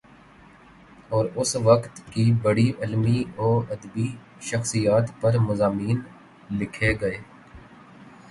اور اس وقت کی بڑی علمی و ادبی شخصیات پر مضامین لکھے گئے